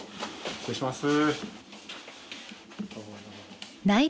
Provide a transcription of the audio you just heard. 失礼します。